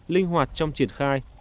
linh hoạt trong triển khai